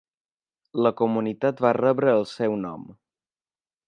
La comunitat va rebre el seu nom.